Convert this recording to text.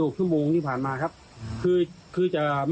และก็คือว่าถึงแม้วันนี้จะพบรอยเท้าเสียแป้งจริงไหม